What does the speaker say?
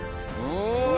うわ！